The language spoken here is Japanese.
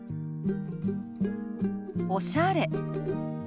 「おしゃれ」。